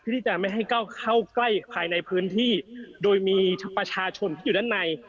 ที่จะไม่ให้เข้าใกล้ภายในพื้นที่โดยมีประชาชนที่อยู่ด้านใน